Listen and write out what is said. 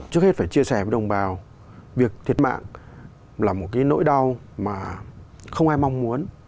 trước hết phải chia sẻ với đồng bào việc thiệt mạng là một cái nỗi đau mà không ai mong muốn